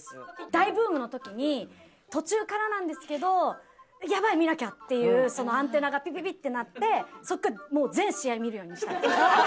大ブームの時に途中からなんですけど「やばい！見なきゃ！」っていうアンテナがピピピッてなってそこから全試合見るようにしたんです。